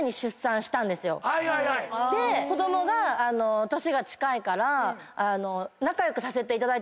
で子供が年が近いから。